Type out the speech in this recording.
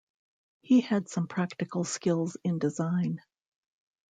He had some practical skills in design.